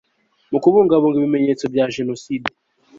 Mu kubungabunga ibimenyetso bya Jenoside